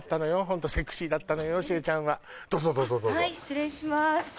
ホントセクシーだったのよ芳恵ちゃんはどうぞどうぞどうぞはい失礼します